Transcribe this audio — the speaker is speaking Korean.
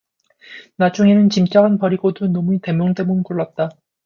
나중에는 짐짝은 버리고두 놈이 데뭉데뭉 굴렀다.